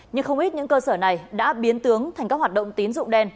nhưng không ít những cơ sở này đã biến tướng thành các hoạt động tín dụng đen